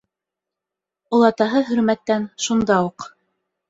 Олатаһы Хөрмәттән шунда уҡ: